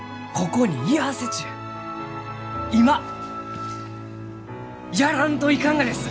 今やらんといかんがです！